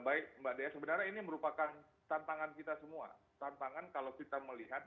baik mbak dea sebenarnya ini merupakan tantangan kita semua tantangan kalau kita melihat